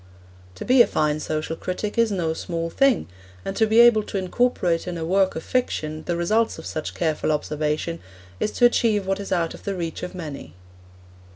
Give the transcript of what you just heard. To be a fine social critic is no small thing, and to be able to incorporate in a work of fiction the results of such careful observation is to achieve what is out of the reach of many.